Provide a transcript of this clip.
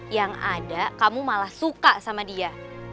yang ada kamu malah suka sama dia